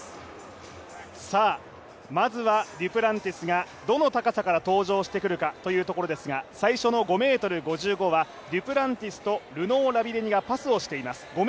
まずは、デュプランティスがどの高さから登場してくるかというところですが、最初の５ｍ５５はデュプランティスとルノー・ラビレニがパスをしています。